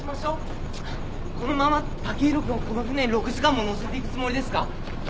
このまま剛洋君をこの船に６時間も乗せて行くつもりですか？